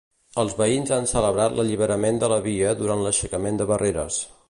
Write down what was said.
Els veïns han celebrat l'alliberament de la via durant l'aixecament de barreres.